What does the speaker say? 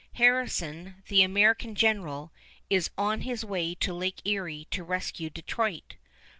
Harrison, the American general, is on his way to Lake Erie to rescue Detroit.